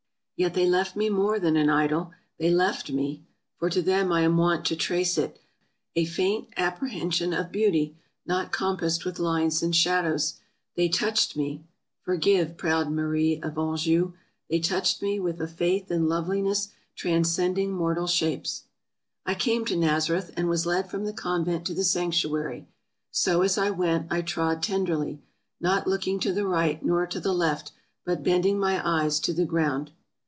" Yet they left me more than an idol — they left me (for to them I am wont to trace it) a faint apprehension of beauty not compassed with lines and shadows — they touched me (forgive, proud Marie of Anjou!), they touched me with a faith in loveliness transcending mortal shapes. I came to Nazareth, and was led from the convent to the sanctuary. ... so as I went, I trod tenderly, not looking to the right nor to the left, but bending my eyes to the ground.